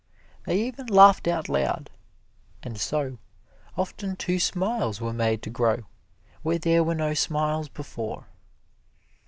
They even laughed out loud, and so, often two smiles were made to grow where there were no smiles before.